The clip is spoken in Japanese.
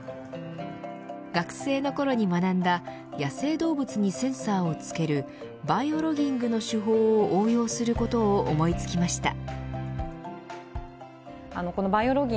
学生のころに学んだ野生動物にセンサーをつけるバイオロギングの手法を応用することを思いつきました。